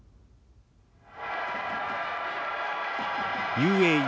ＵＡＥ